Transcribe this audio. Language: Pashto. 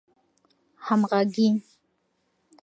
همږغۍ